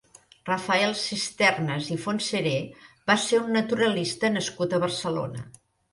Rafael Cisternas i Fontseré va ser un naturalista nascut a Barcelona.